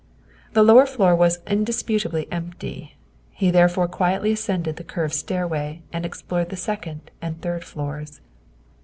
The lower floor was indisputably empty ; he therefore quietly ascended the curved stairway and explored the second and third floors.